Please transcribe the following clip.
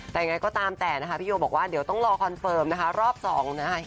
แต่ยังไงก็ตามแต่นะคะพี่โยบอกว่าเดี๋ยวต้องรอคอนเฟิร์มนะคะรอบสองนะคะ